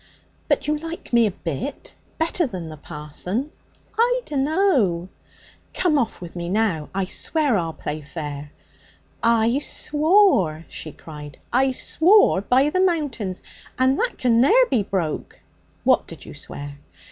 'But you like me a bit? Better than the parson?' 'I dunno.' 'Come off with me now. I swear I'll play fair.' 'I swore!' she cried. 'I swore by the Mountains, and that can ne'er be broke.' 'What did you swear?'